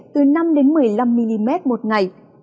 từ năm đến một mươi năm mm một ngày